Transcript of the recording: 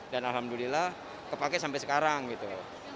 dan alhamdulillah kepakai sampai sekarang gitu